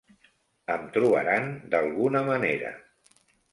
Em trobaran d'alguna manera.